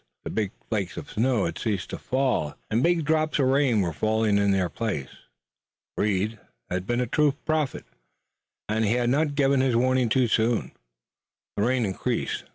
The big flakes of snow had ceased to fall, and big drops of rain were falling in their place. Reed had been a true prophet, and he had not given his warning too soon. The rain increased.